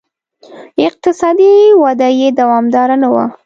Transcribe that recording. اقتصادي وده یې دوامداره نه وه.